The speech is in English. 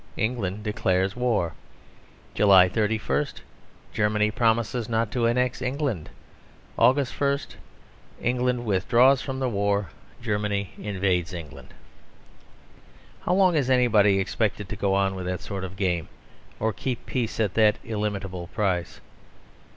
England declares war. July 31. Germany promises not to annex England. Aug. 1. England withdraws from the war. Germany invades England... How long is anybody expected to go with that sort of game, or keep peace at that illimitable price?